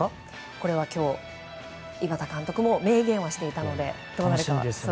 これは今日井端監督も明言をしていたのでどうなるか。